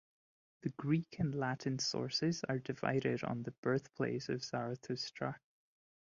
The Greek and Latin sources are divided on the birthplace of Zarathustra.